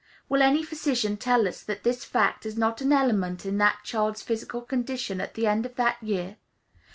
Will any physician tell us that this fact is not an element in that child's physical condition at the end of that year?